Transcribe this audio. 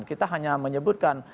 kita hanya menyebutkan